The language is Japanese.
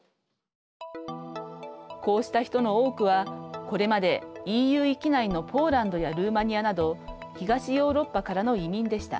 こうした人の多くはこれまでＥＵ域内のポーランドやルーマニアなど東ヨーロッパからの移民でした。